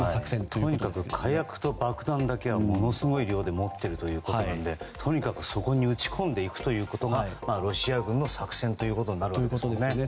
とにかく火薬と爆弾だけはものすごい量を持っているのでとにかくそこに撃ち込んでいくことがロシア軍の作戦ということになるんですね。